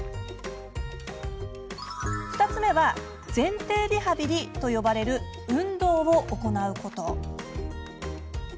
２つ目は前庭リハビリと呼ばれる運動を行うこと。